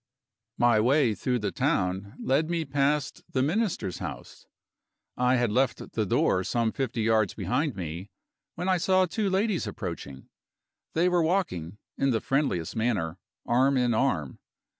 My way through the town led me past the Minister's house. I had left the door some fifty yards behind me, when I saw two ladies approaching. They were walking, in the friendliest manner, arm in arm.